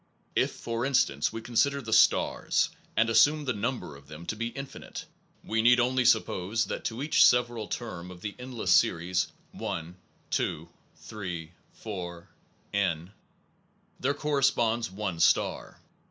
If, for instance, we consider the stars, and assume the number of them to be infinite, we need only suppose that to each several term of the endless series 1, 2, 3, 4, ... n ..., there cor responds one star.